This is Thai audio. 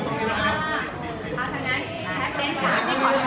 ขอบคุณแม่ก่อนต้องกลางนะครับ